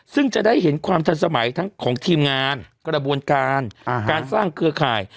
ซึ่งจะได้เห็นความทันสมัยทั้งของทีมงานกระบวนการการสร้างเครือข่าย